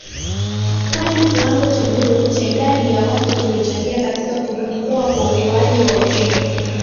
kwani kiwango cha juu cha idadi ya watu kilichangia katika kupungua kwa ukuaji wa uchumi